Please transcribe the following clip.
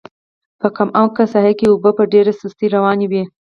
په کم عمقه ساحه کې اوبه په ډېره سستۍ روانې وې.